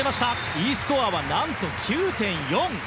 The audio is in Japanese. Ｅスコアは何と９．４！